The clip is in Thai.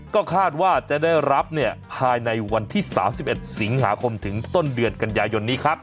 ก็คาดว่าจะได้รับภายในวันที่๓๑สิงหาคมถึงต้นเดือนกันยายนนี้ครับ